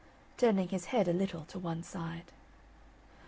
turning his head a little to one side.